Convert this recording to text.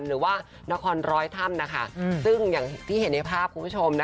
หรือว่านครร้อยถ้ำนะคะซึ่งอย่างที่เห็นในภาพคุณผู้ชม